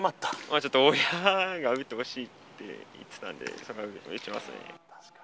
ちょっと、親が打ってほしいって言ってたんで、打ちますね。